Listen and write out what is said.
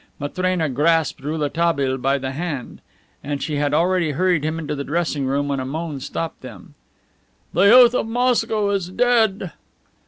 Matrena grasped Rouletabille by the hand. And she had already hurried him into the dressing room when a moan stopped them. "The youth of Moscow is dead!"